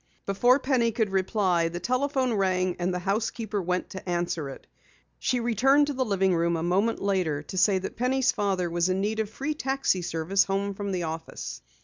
Before Penny could reply the telephone rang and the housekeeper went to answer it. She returned to the living room a moment later to say that Penny's father was in need of free taxi service home from the office.